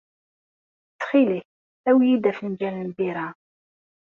Ttxil-k awi-yi-d afenǧal n lbira.